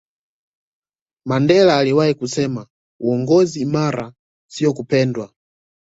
mandela aliwahi kusema uongozi imara siyo kupendwa